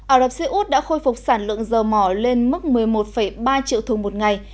ả rập xê út đã khôi phục sản lượng dầu mỏ lên mức một mươi một ba triệu thùng một ngày